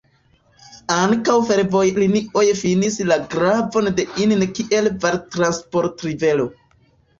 Ankaŭ fervojlinioj finis la gravon de Inn kiel vartransportrivero.